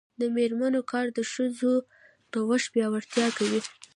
د میرمنو کار د ښځو نوښت پیاوړتیا کوي.